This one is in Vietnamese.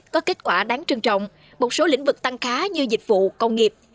có kết quả đáng trân trọng một số lĩnh vực tăng khá như dịch vụ công nghiệp